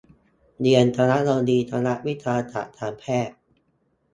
เรียน คณบดีคณะวิทยาศาสตร์การกีฬา